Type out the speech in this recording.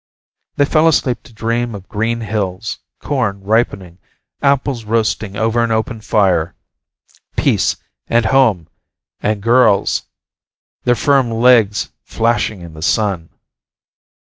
They fell asleep to dream of green hills, corn ripening, apples roasting over an open fire. Peace, and home, and girls, their firm legs flashing in the sun.